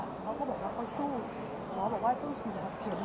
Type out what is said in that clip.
เขาก็บอกว่าเขาสู้หมอบอกว่าต้องฉีดเข็ม